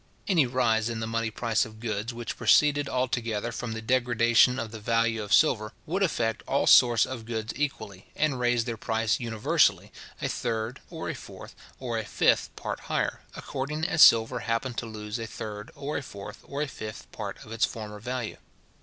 Any rise in the money price of goods which proceeded altogether from the degradation of the value of silver, would affect all sorts of goods equally, and raise their price universally, a third, or a fourth, or a fifth part higher, according as silver happened to lose a third, or a fourth, or a fifth part of its former value.